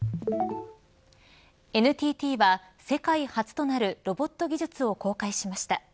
ＮＴＴは世界初となるロボット技術を公開しました。